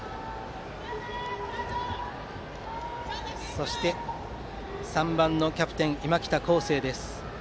そして３番のキャプテン、今北孝晟。